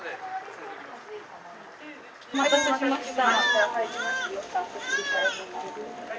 お待たせしました。